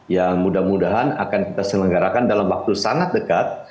yang mudah mudahan akan kita selenggarakan dalam waktu sangat dekat